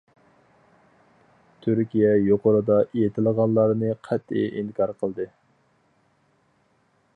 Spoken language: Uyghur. تۈركىيە يۇقىرىدا ئېيتىلغانلارنى قەتئىي ئىنكار قىلدى.